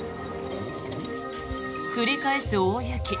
繰り返す大雪。